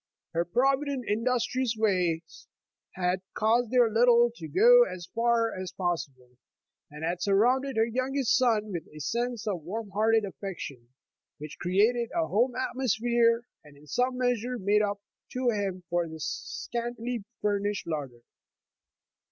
Her provident, industrious ways had caused their little to go as far as possible, and had sur rounded her youngest son with a sense of warm hearted affection, which created a home atmosphere, and in some measure made up to him for the scantily furnished larder.